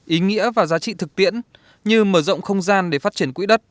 ý nghĩa và giá trị thực tiễn như mở rộng không gian để phát triển quỹ đất